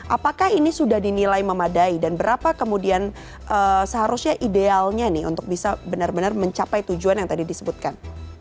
apakah ini sudah dinilai memadai dan berapa kemudian seharusnya idealnya nih untuk bisa benar benar mencapai tujuan yang tadi disebutkan